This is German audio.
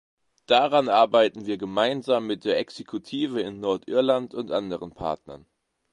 Daran arbeiten wir gemeinsamen mit der Exekutive in Nordirland und anderen Partnern.